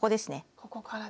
ここからだ。